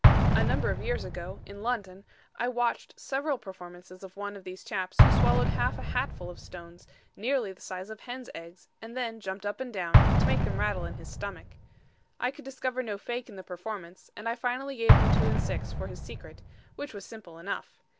A number of years ago, in London, I watched several performances of one of these chaps who swallowed half a hatful of stones, nearly the size of hen's eggs, and then jumped up and down, to make them rattle in his stomach. I could discover no fake in the performance, and I finally gave him two and six for his secret, which was simple enough.